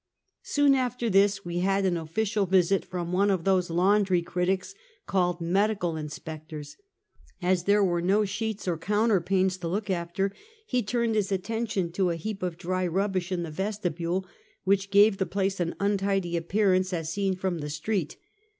Soon after this we had an official visit from one of those laundry critics, called " Medical Inspectors." As there were no sheets or counterpanes to look after, he turned his attention to a heap of dry rubbish in the vestibule, which gave the place an untidy appearance, as seen from the street.